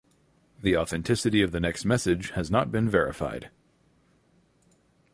The authenticity of the text message has not been verified.